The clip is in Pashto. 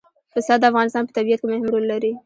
پسه د افغانستان په طبیعت کې مهم رول لري.